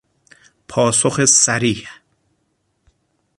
پاسخ صریح